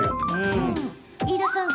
飯田さん